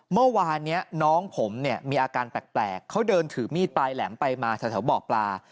เมื่อวานนี้น้องผมเนี่ยมีอาการแปลกเขาเดินถือมีดปลายแหลมไปมาแถวบ่อปลา